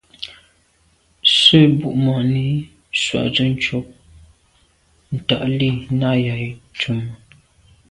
Sə̂n bu’ŋwà’nì swatə̂ncob ncob ntad lî nâ’ yα̌ tumə.